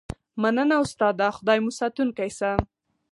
مننه استاده خدای مو ساتونکی شه